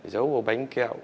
giấu vào bánh kẹo